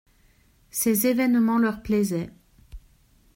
Ces évènements leur plaisaient.